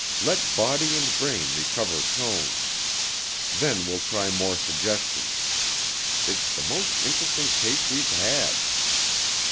Let body and brain recover tone. Then we'll try more suggestions. It's the most interesting case we've had.